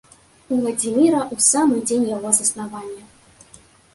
Уладзіміра ў самы дзень яго заснавання.